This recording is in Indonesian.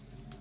pak pak pak